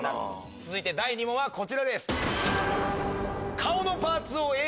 続いて第２問はこちらです。